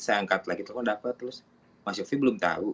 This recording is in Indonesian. saya angkat lagi tulus mas yofi belum tahu